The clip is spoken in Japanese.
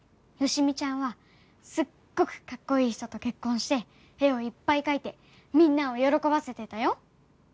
好美ちゃんはすっごくかっこいい人と結婚して絵をいっぱい描いてみんなを喜ばせてたよ。